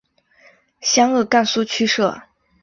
湘鄂赣苏区设。